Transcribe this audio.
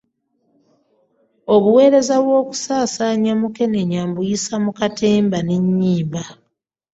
Obuweereza bw'okusaasaanya Mukenenya mbuyisa mu katemba n'ennyimba